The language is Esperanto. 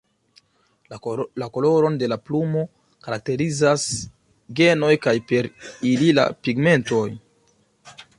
La koloron de la plumo karakterizas genoj kaj per ili la pigmentoj.